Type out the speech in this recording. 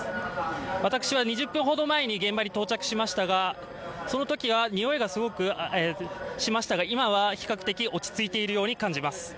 私は２０分ほど前に現場に到着しましたが、そのときはにおいがすごくしましたが今は比較的落ち着いているように感じます。